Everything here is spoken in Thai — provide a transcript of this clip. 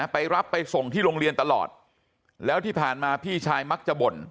ไปรับไปส่งที่โรงเรียนตลอดแล้วที่ผ่านมาพี่ชายมักจะบ่น